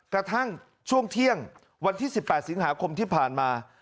กระทั่งช่วงเที่ยงวันที่๑๘สิงหาคมที่ผ่านมา